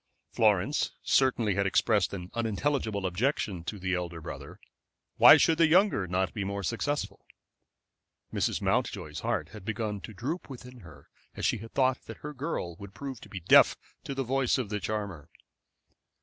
Florence certainly had expressed an unintelligible objection to the elder brother. Why should the younger not be more successful? Mrs. Mountjoy's heart had begun to droop within her as she had thought that her girl would prove deaf to the voice of the charmer.